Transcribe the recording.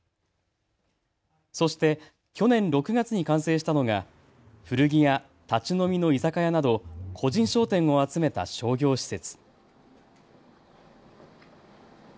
そして去年６月に完成したのが古着屋、立ち飲みの居酒屋など個人商店を集めた商業施設。